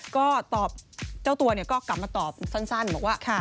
ก็ตอบเจ้าตัวก็กลับมาตอบสั้นบอกว่า